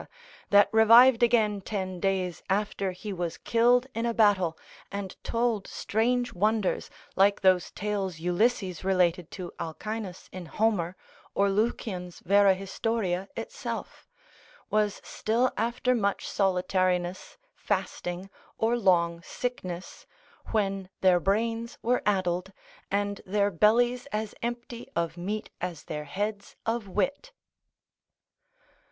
that revived again ten days after he was killed in a battle, and told strange wonders, like those tales Ulysses related to Alcinous in Homer, or Lucian's vera historia itself) was still after much solitariness, fasting, or long sickness, when their brains were addled, and their bellies as empty of meat as their heads of wit.